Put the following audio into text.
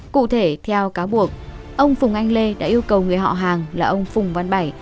cụ thể theo cáo buộc ông phùng anh lê đã yêu cầu người họ hàng là ông phùng văn bảy